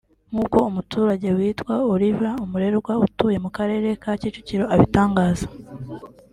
nk’uko umuturage witwa Olive Umurerwa utuye mu Karere ka Kicukiro abitangaza